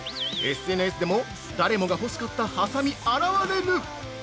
ＳＮＳでも、誰もが欲しかったはさみ、あらわれる。